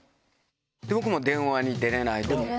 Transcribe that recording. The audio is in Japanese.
僕も電話に出れない。